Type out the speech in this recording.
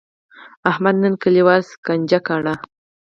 احمد نن کلیوال سکنجه کړل.